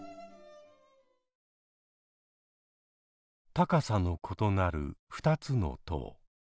高さの異なる２つの塔。